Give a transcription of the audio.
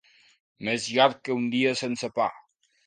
Més llarg que un dia sense pa.